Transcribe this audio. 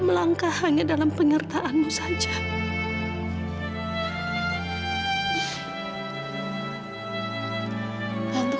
mungkin aku percaya sama surari olarak itu sih